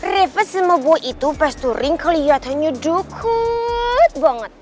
reva sama boy itu pasturing keliatannya dukuuut banget